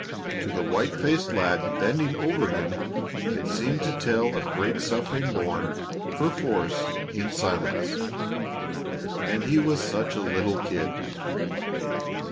To the white faced lad bending over him it seemed to tell of great suffering borne, perforce, in silence and he was such a little kid!